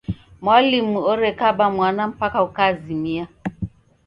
Mwalimu orekaba mwana mpaka ukazimia.